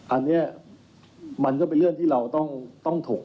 อันเนี้ยมันก็เป็นเรื่องที่เราต้องถกกันพอสมควร